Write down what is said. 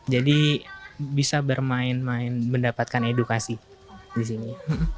jadi bisa bermain main mendapatkan edukasi di sini